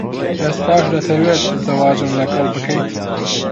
ئێستاش دەتەوێت زەواجم لەگەڵ بکەیت؟